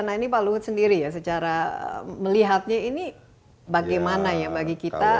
nah ini pak luhut sendiri ya secara melihatnya ini bagaimana ya bagi kita